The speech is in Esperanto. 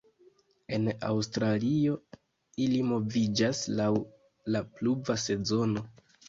En Aŭstralio ili moviĝas laŭ la pluva sezono.